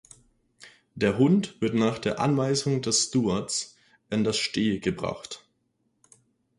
Der Hund wird nach der Anweisung des Stewards in das Steh gebracht.